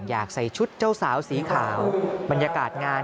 อยากใส่ชุดเจ้าสาวสีขาวบรรยากาศงาน